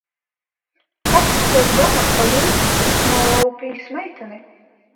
Kas jums liek domāt, ka Vilkss nolaupījis meiteni?